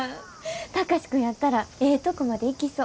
貴司君やったらええとこまでいきそう。